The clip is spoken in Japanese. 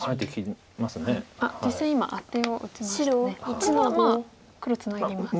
これは黒ツナぎますか。